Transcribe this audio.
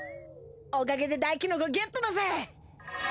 おかげでダイキノコゲットだぜ。